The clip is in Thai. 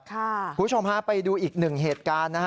คุณผู้ชมฮะไปดูอีกหนึ่งเหตุการณ์นะฮะ